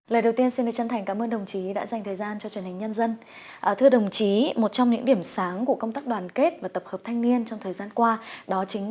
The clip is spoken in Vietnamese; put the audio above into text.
lời đầu tiên xin đưa chân thành cảm ơn đồng chí đã dành thời gian cho truyền hình nhân dân